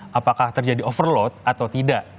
dari knkt apakah terjadi overload atau tidak